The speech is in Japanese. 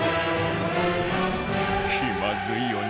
気まずいよね？